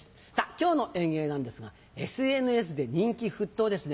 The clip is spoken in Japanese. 今日の演芸なんですがＳＮＳで人気沸騰ですね。